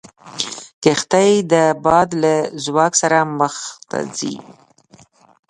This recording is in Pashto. کښتۍ د باد له ځواک سره مخ ته ځي.